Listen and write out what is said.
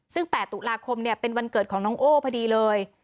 ซึ่ง๘ตุลาคมเป็นวันเกิดของน้องโอ้พอดีเลย